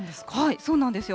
そうなんですよ。